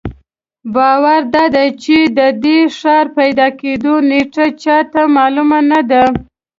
باور دادی چې د دې ښار پیدا کېدو نېټه چا ته معلومه نه ده.